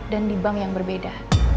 dan di bank yang berbeda